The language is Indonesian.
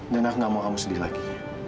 dan aku nggak mau kamu sedih lagi